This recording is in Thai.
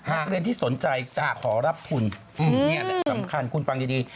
นักเรียนที่สนใจจะขอรับทุนนี่แหละสำคัญคุณฟังดี